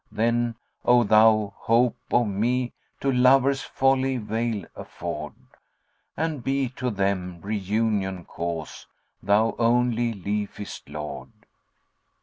Then, O thou hope of me, to lovers' folly veil afford * And be to them reunion cause, thou only liefest lord!"